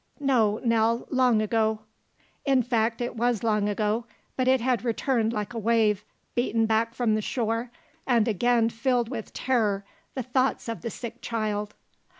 "No, Nell, long ago." In fact it was long ago, but it had returned like a wave beaten back from the shore and again filled with terror the thoughts of the sick child.